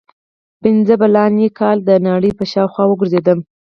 پنځه فلاني کاله د نړۍ په شاوخوا وګرځېدم.